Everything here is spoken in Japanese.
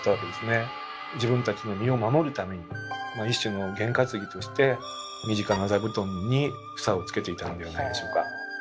自分たちの身を守るために一種の験担ぎとして身近な座布団に房をつけていたのではないでしょうか。